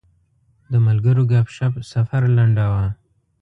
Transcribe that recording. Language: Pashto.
د ملګرو ګپ شپ سفر لنډاوه.